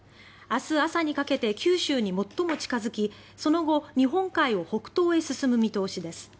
明日朝にかけて九州に最も近付きその後、日本海を北東へ進む見通しです。